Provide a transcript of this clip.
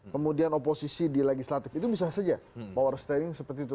kemudian oposisi di legislatif itu bisa saja power sterling seperti itu